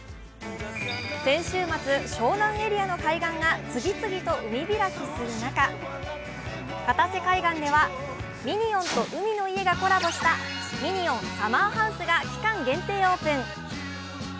先週末、湘南エリアの海岸が次々と海開きする中、片瀬海岸では、ミニオンと海の家がコラボしたミニオンサマーハウスが期間限定オープン。